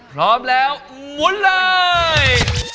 พร้อมแล้วหมุนเลย